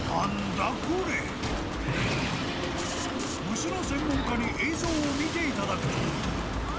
［虫の専門家に映像を見ていただくと］